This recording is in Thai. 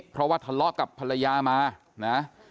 เพราะว่าทะเลาะกับภรรยามานะ